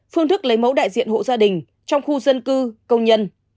phương thức lấy mẫu đại diện hộ gia đình trong khu dân cư công nhân